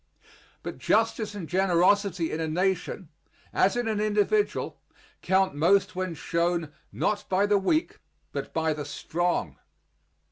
But justice and generosity in a nation, as in an individual, count most when shown not by the weak but by the strong.